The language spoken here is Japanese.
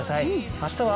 明日は？